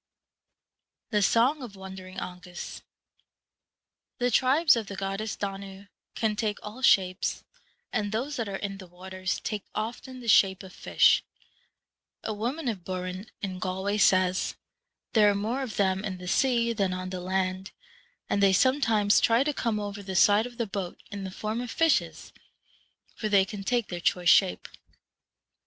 The Song of Wandering Aengus. The Tribes of the goddess Danu can take all shapes, and those that are in the waters take often the shape of fish. A woman of Burren, in Galway, says, ' There are more of them in the sea than on the land, and they sometimes try to come over the side of the boat in the form of fishes, for they can take their choice shape.'